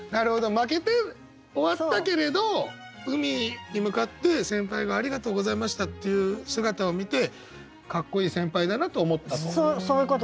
負けて終わったけれど海に向かって先輩が「ありがとうございました」って言う姿を見てかっこいい先輩だなと思ったと。